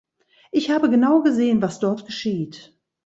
Ich habe genau gesehen, was dort geschieht.